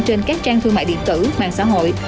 trên các trang thương mại điện tử mạng xã hội